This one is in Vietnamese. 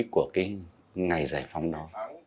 của cái ngày giải phóng đó